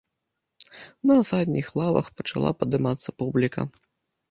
На задніх лавах пачала падымацца публіка.